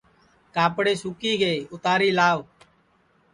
کاپڑے سُکی گے اُتاری لاو